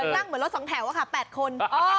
นั่งเหมือนรถสองแถวว่าค่ะ๘คน